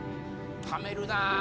ためるなぁ。